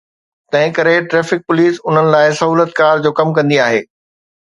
تنهنڪري traffic police انهن لاءِ سهولتڪار جو ڪم ڪندي آهي.